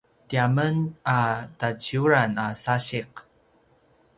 tiamen a taciuran a sasiq